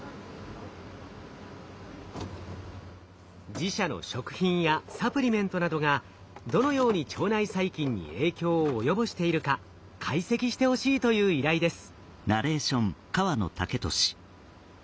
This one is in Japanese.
自社の食品やサプリメントなどがどのように腸内細菌に影響を及ぼしているか解析してほしいという依頼です。